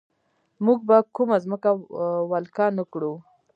موږ به کومه ځمکه ولکه نه کړو.